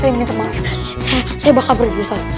saya minta maaf saya bakal berjurusan